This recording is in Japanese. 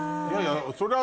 それは。